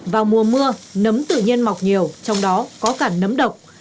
vào mùa mưa nấm tự nhiên mọc nhiều trong đó có cả nấm độc